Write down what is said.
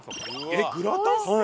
えっグラタン？